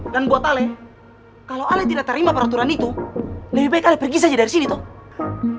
dan buat alay kalau alay tidak terima peraturan itu lebih baik alay pergi saja dari sini toh